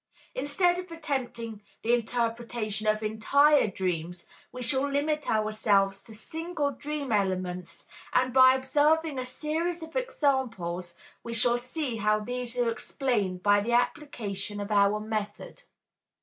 Instead of attempting the interpretation of entire dreams, we shall limit ourselves to single dream elements and by observing a series of examples we shall see how these are explained by the application of our method.